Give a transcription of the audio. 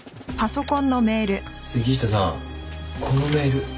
杉下さんこのメール。